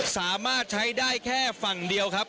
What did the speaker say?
สามารถใช้ได้แค่ฝั่งเดียวครับ